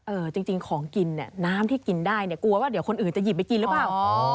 จริงของกินเนี่ยน้ำที่กินได้เนี่ยกลัวว่าเดี๋ยวคนอื่นจะหยิบไปกินหรือเปล่า